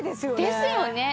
ですよね。